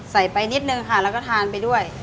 ไปนิดนึงค่ะแล้วก็ทานไปด้วย